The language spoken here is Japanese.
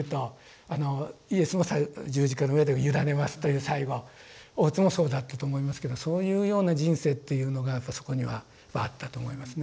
イエスも十字架の上で委ねますという最期大津もそうだったと思いますけどそういうような人生っていうのがやっぱそこにはあったと思いますね。